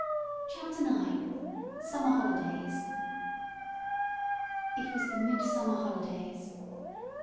CHAPTER IX. SUMMER HOLIDAYS IT was the midsummer holidays.